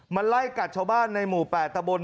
ไล่กัดชาวบ้านในหมู่๘ตะบน